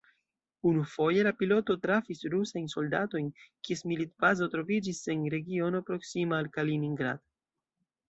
Unufoje la piloto trafis rusajn soldatojn, kies militbazo troviĝis en regiono proksima al Kaliningrad.